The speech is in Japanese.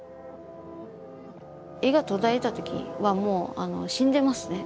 絵が途絶えた時はもう死んでますね。